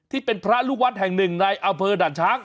ที่เป็นพระลูกวัดแห่งหนึ่งในอำเภอด่านช้าง